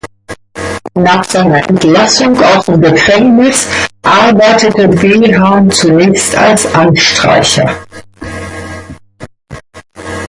Nach seiner Entlassung aus dem Gefängnis arbeitete Behan zunächst als Anstreicher.